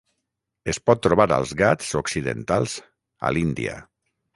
Es pot trobar als Ghats occidentals a l'Índia.